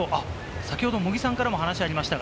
先ほど茂木さんからも話がありました。